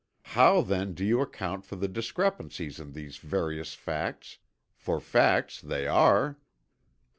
How then do you account for the discrepancies in these various facts, for facts they are?"